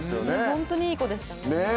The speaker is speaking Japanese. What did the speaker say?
ホントにいい子でしたね。